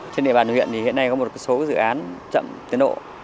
trên địa bàn huyện thì hiện nay có một số dự án chậm tiến độ